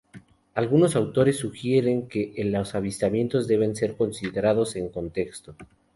Algunos autores sugieren que los avistamientos deben ser considerados en contexto.